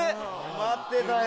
待ってたよ。